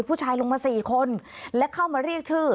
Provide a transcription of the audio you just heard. ผู้ชายลงมา๔คนและเข้ามาเรียกชื่อ